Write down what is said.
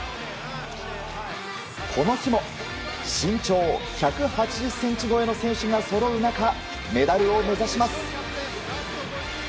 この日も、身長１８０ｃｍ超えの選手がそろう中メダルを目指します。